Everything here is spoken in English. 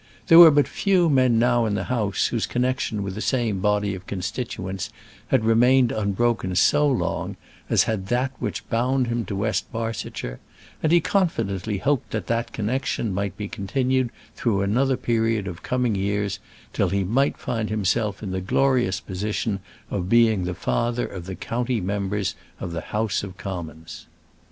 There were but few men now in the House whose connection with the same body of constituents had remained unbroken so long as had that which bound him to West Barsetshire; and he confidently hoped that that connection might be continued through another period of coming years till he might find himself in the glorious position of being the father of the county members of the House of Commons."